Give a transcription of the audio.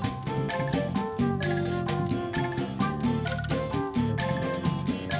saya pulang dulu sakit kepala